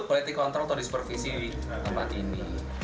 politik kontrol atau disupervisi di tempat ini